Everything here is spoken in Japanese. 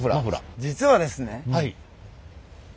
実はですね